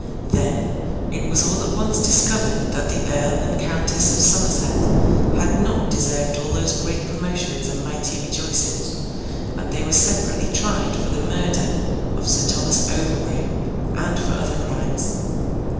Then, it was all at once discovered that the Earl and Countess of Somerset had not deserved all those great promotions and mighty rejoicings, and they were separately tried for the murder of Sir Thomas Overbury, and for other crimes.